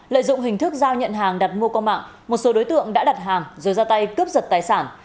lợi dụng hình thức giao nhận hàng đặt mua qua mạng một số đối tượng đã đặt hàng rồi ra tay cướp giật tài sản